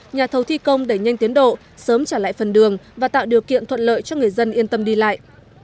nhà thầu thi công đẩy nhanh tiến độ sớm trả lại phần đường và tạo điều kiện thuận lợi cho người dân yên tâm đi lại